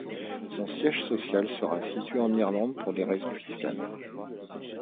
Son siège social sera situé en Irlande pour des raisons fiscales.